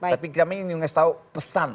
tapi kami ingin ngasih tau pesan